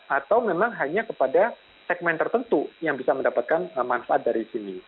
atau memang hanya kepada segmen tertentu yang bisa mendapatkan manfaat dari sini